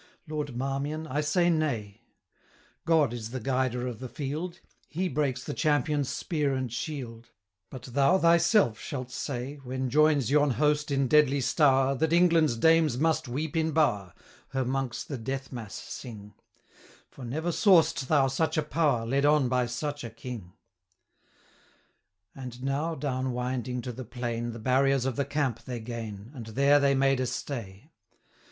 Lord Marmion, I say nay: 675 God is the guider of the field, He breaks the champion's spear and shield, But thou thyself shalt say, When joins yon host in deadly stowre, That England's dames must weep in bower, 680 Her monks the death mass sing; For never saw'st thou such a power Led on by such a King.' And now, down winding to the plain, The barriers of the camp they gain, 685 And there they made a stay.